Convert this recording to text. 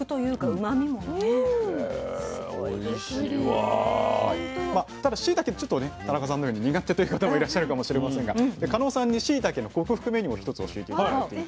まあただしいたけちょっとね田中さんのように苦手という方もいらっしゃるかもしれませんがカノウさんにしいたけの克服メニューを１つ教えて頂いていて。